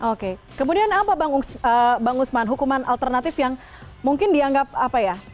oke kemudian apa bang usman hukuman alternatif yang mungkin dianggap apa ya